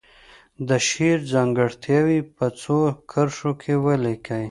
د شعر ځانګړتیاوې په څو کرښو کې ولیکي.